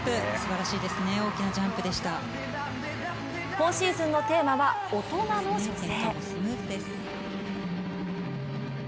今シーズンのテーマは、大人の女性。